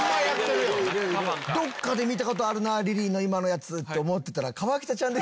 「どっかで見た事あるなリリーの今のやつ」と思ってたら河北ちゃん。